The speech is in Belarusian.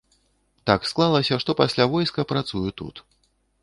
Так склалася, што пасля войска працую тут.